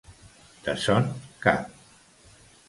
De son cap.